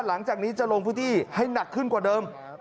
หลังจากนี้จะลงพื้นที่ให้หนักขึ้นกว่าเดิม